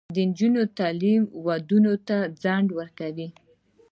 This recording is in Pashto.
د نجونو تعلیم ودونو ته ځنډ ورکوي.